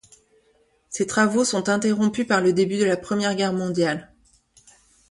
Ses travaux sont interrompus par le début de la Première Guerre mondiale.